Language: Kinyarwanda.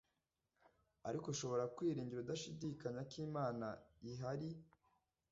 ariko ushobora kwiringira udashidikanya ko imana ihari